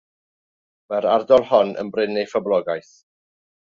Mae'r ardal hon yn brin ei phoblogaeth.